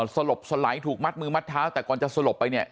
สลบสลายถูกมัดมือมัดเท้าแต่ก่อนจะสลบไปเนี่ย